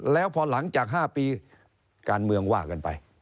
แล้วพอหลังจาก๕ปีการเมืองว่ากันไป